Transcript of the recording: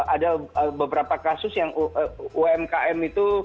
ada beberapa kasus yang umkm itu